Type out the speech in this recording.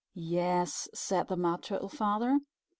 "Yes," said the Mud Turtle Father.